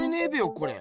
これ。